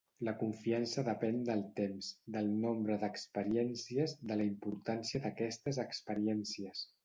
La confiança depèn del temps, del nombre d'experiències, de la importància d'aquestes experiències.